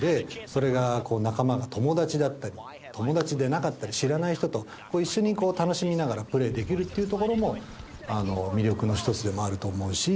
それが、仲間が友達だったり友達でなかったり知らない人と一緒に楽しみながらプレイできるっていうところも魅力の１つでもあると思うし。